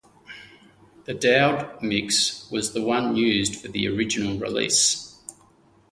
The Dowd mix was the one used for the original release.